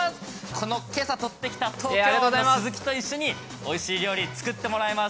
この、けさ取ってきた東京湾のスズキと一緒においしい料理、作ってもらいます。